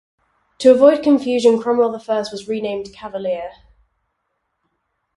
To avoid confusion Cromwell I was renamed "Cavalier".